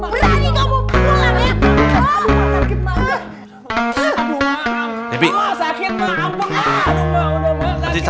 berani kamu pulang ya